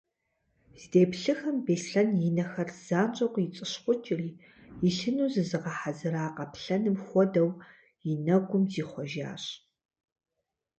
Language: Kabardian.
Здеплъыхым Беслъэн и нэхэр занщӏэу къицӏыщхъукӏри, илъыну зызыгъэхьэзыра къаплъэным хуэдэу, и нэгум зихъуэжащ.